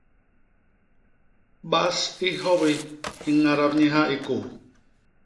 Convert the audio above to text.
Bas i hyobi i ñadap nye ha i kôô.